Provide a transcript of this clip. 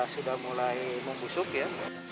sudah mulai membusuk ya